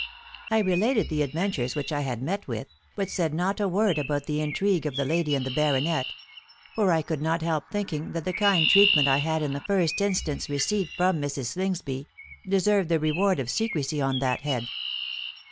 I related the adventures which I had met with, but said not a word about the intrigue of the lady and the baronet; for I could not help thinking that the kind treatment I had in the first instance received from Mrs. Slingsby, deserved the reward of secresy on that head.